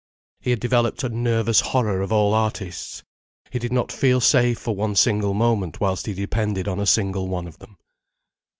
He had developed a nervous horror of all artistes. He did not feel safe for one single moment whilst he depended on a single one of them.